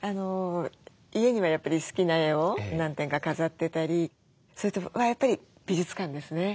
家にはやっぱり好きな絵を何点か飾ってたりそれとやっぱり美術館ですね。